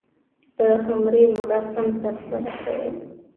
د عمرې مراسم ترسره کړي.